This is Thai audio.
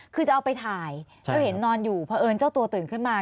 คือจะเอาไปถ่ายแล้วเห็นนอนอยู่เพราะเอิญเจ้าตัวตื่นขึ้นมา